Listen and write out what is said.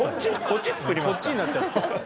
こっちになっちゃった。